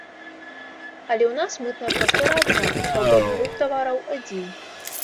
Але ў нас мытная прастора адна, свабодны рух тавараў адзін.